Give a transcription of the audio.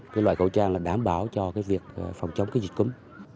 cái loại khẩu trang là đảm bảo cho cái việc phòng chống cái dịch cúm